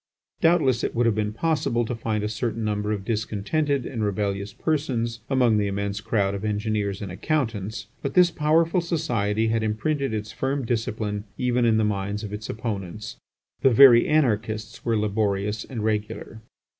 Doubtless it would have been possible to find a certain number of discontented and rebellious persons among the immense crowd of engineers and accountants, but this powerful society had imprinted its firm discipline even on the minds of its opponents. The very anarchists were laborious and regular.